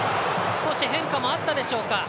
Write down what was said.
少し変化もあったでしょうか。